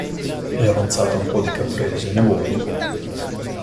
È avanzata un po' di caprese, ne vuoi?